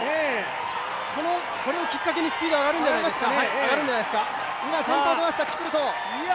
これをきっかけにスピードが上がるんじゃないですか。